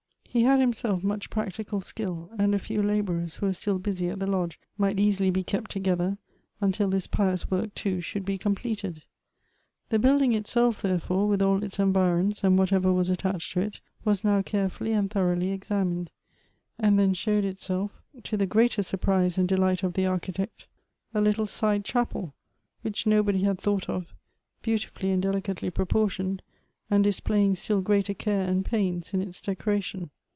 He had himself much practical skill, and a few laborers who were still busy at the lodge, might easily be kept together, until this pious work too should be completed. The building itself, therefore, with all its environs, and whatever was attached to it, was now carefully and thoroughly examined; and then showed itself, to the greatest surprise and delight of the architect, a little side chapel, which nobody had thought of, beautifully and delicately proportioned, and displaying still greater care and pains in its decoration.